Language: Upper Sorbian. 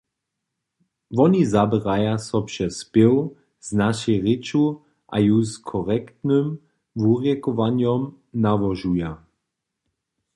Woni zaběraja so přez spěw z našej rěču a ju z korektnym wurjekowanjom nałožuja.